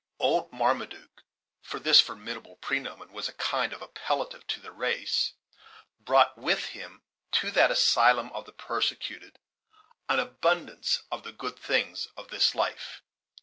Old Marmaduke, for this formidable prenomen was a kind of appellative to the race, brought with him, to that asylum of the persecuted an abundance of the good things of this life.